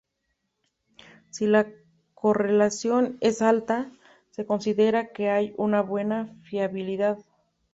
Si la correlación es alta, se considera que hay una buena fiabilidad.